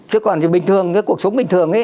chứ còn cái cuộc sống bình thường